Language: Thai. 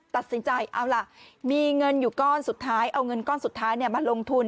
ตัดสินใจเอาล่ะมีเงินอยู่ก้อนสุดท้ายเอาเงินก้อนสุดท้ายมาลงทุน